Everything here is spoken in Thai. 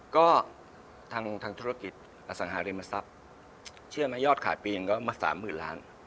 ก็ทางธุรกิจอสังหาริมทรัพย์เชื่อไหมยอดขาดปีนก็มา๓๐ล้าน